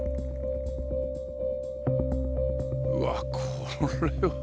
うわっこれは。